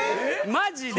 マジで！